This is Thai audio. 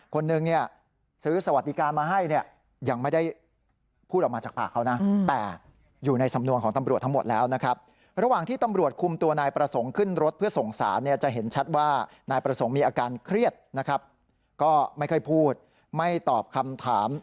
เทียดนะครับก็ไม่เคยพูดไม่ตอบคำถาม